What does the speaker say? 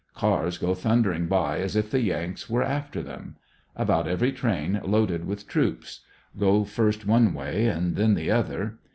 Cars go thundering by as if the Yanks were alter them About every train loaded with troops. Go first one way and then the other.